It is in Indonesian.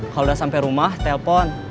kalau udah sampai rumah telpon